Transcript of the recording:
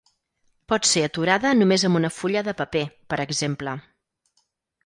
Pot ser aturada només amb una fulla de paper, per exemple.